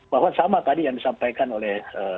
bahwa sama tadi yang disampaikan oleh